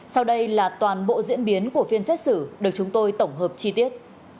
sau đây là toàn bộ diễn biến của phiên xét xử được chúng tôi tổng hợp chi tiết